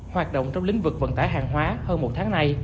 hoạt động trong lĩnh vực vận tải hàng hóa hơn một tháng nay